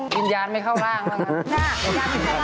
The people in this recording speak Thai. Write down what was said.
ยืนยานไม่เข้าร่าง